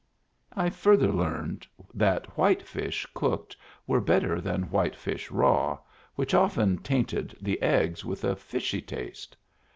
I further learned that whitefish cooked were better than whitefish raw, which often tainted the eggs with a fishy taste.